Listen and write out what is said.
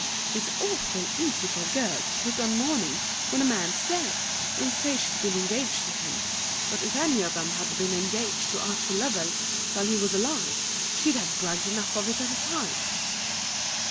"It's awful easy for a girl to put on mourning when a man's dead, and say she's been engaged to him; but if any one of 'em had been engaged to Archie Lovell while he was alive, she'd have bragged enough of it at the time."